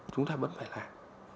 chúng ta vẫn phải làm